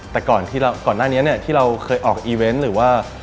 แต่ก่อนหน้านี้ที่เราเคยออกอีเวนต์หรือว่า